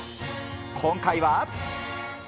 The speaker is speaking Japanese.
今回は。